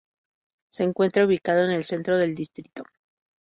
Se encuentra ubicado en el centro del distrito.